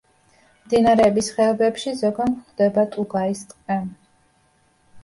მდინარეების ხეობებში ზოგან გვხვდება ტუგაის ტყე.